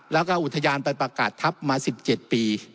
แล้วก็อุทยานไปประกาศทัพมา๑๗ปี